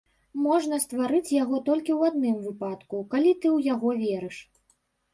Можна стварыць яго толькі ў адным выпадку, калі ты ў яго верыш.